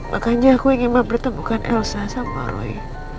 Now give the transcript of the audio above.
makanya aku ingin mempertemukan elsa sama roy